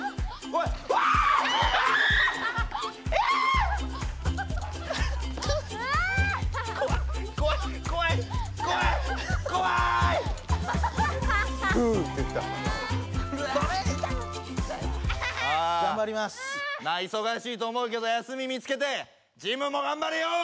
いそがしいと思うけど休み見つけてジムもがんばれよ！